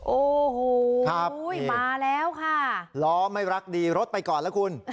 โอ้โหมาแล้วค่ะล้อไม่รักดีรถไปก่อนแล้วคุณ